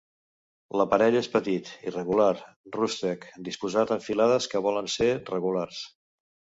L'aparell és petit, irregular, rústec, disposat en filades que volen ser regulars.